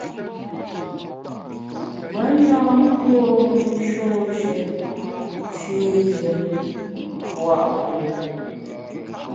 Me na nkuôme nshôshe fii yùm pua’ puo.